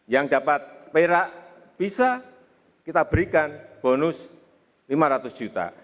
yang dapat perak bisa kita berikan bonus lima ratus juta